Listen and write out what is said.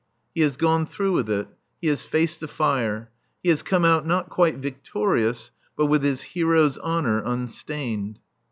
He has gone through with it. He has faced the fire. He has come out, not quite victorious, but with his hero's honour unstained.